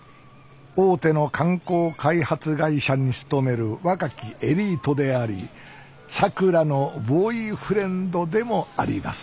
大手の観光開発会社に勤める若きエリートでありさくらのボーイフレンドでもあります